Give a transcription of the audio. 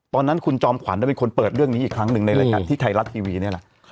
ตอนนั้นคุณจอมขวัญเป็นคนเปิดเรื่องนี้อีกครั้งหนึ่งในรายการที่ไทยรัฐทีวีนี่แหละ